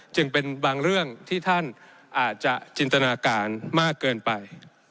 จึงเป็นบางเรื่องที่ท่านอาจจะจินตนาการมากเกินไป